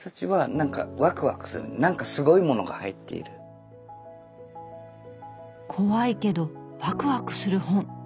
なんか怖いけどワクワクする本。